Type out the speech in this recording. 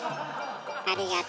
ありがと。